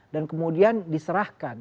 dan kemudian diserahkan